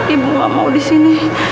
ibu gak mau di sini